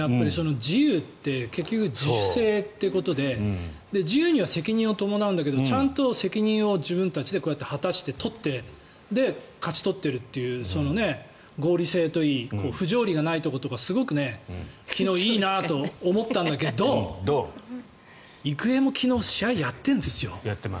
自由って結局、自主性っていうことで自由には責任を伴うんだけどちゃんと責任を自分たちでこうやって果たして取って勝ち取っているという合理性といい不条理がないところとか、すごい昨日いいなと思ったんだけど育英も昨日、試合やってんですよ。